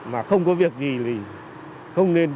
mà không có việc gì thì không nên đi